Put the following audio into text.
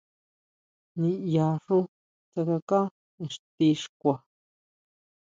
ʼNiʼyaxú tsákaká ixti xkua.